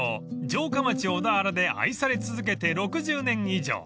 ［城下町小田原で愛され続けて６０年以上］